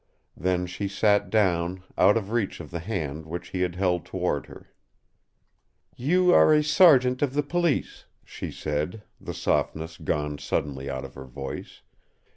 Then she sat down, out of reach of the hand which he had held toward her. "You are a sergeant of the police," she said, the softness gone suddenly out of her voice.